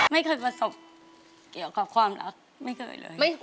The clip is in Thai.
ไม่เคยประสบเกี่ยวกับความรักไม่เคยเลย